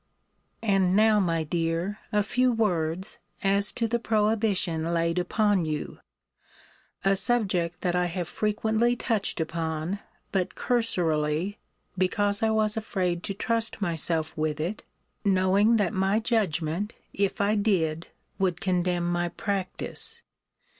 ] And now, my dear, a few words, as to the prohibition laid upon you; a subject that I have frequently touched upon, but cursorily, because I was afraid to trust myself with it, knowing that my judgment, if I did, would condemn my practice.